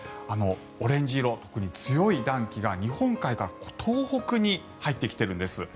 オレンジ色、特に強い暖気が日本海から東北に入ってきているんです。